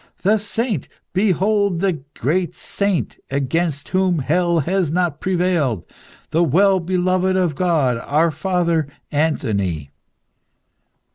"The saint! Behold the great saint, against whom hell has not prevailed, the well beloved of God! Our father, Anthony!"